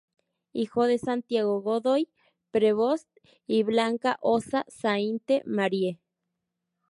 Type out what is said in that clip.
Hijo de Santiago Godoy Prevost y Blanca Ossa Sainte-Marie.